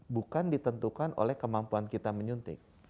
bukan ditentukan oleh kemampuan kita menyuntik